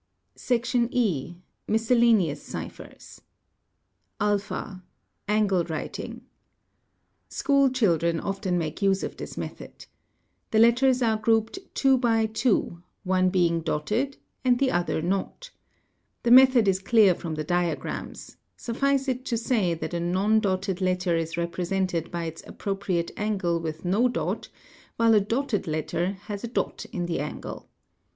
a E. Miscellaneous ciphers. (a) Angle writing :—School children often make use of this method. | The letters are grouped 2 by 2, one being dotted and the other not. The method is clear from the diagrams; suffice it to say that a non dotted ~ letter is represented by its appropriate angle with no dot, while a dotted letter has a dot in the angle.